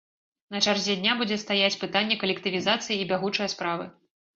На чарзе дня будзе стаяць пытанне калектывізацыі і бягучыя справы.